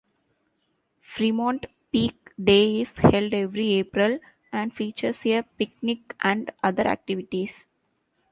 Fremont Peak Day is held every April, and features a picnic and other activities.